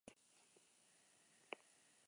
Azken galdera hauxe izango da.